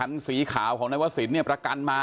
นักข่าวคืองงเลยไม่รู้จะตอบยังไง